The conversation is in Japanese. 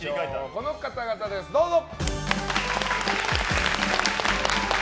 この方々です、どうぞ！